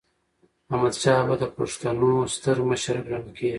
احمدشاه بابا د پښتنو ستر مشر ګڼل کېږي.